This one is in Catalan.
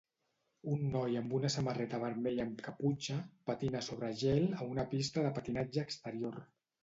un noi amb una samarreta vermella amb caputxa patina sobre gel a una pista de patinatge exterior.